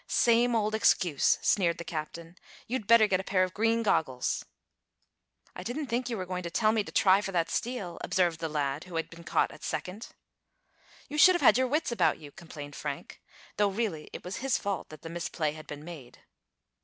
"Same old excuse," sneered the captain. "You'd better get a pair of green goggles." "I didn't think you were going to tell me to try for that steal," observed the lad who had been caught at second. "You should have had your wits about you!" complained Frank, though really it was his fault that the misplay had been made.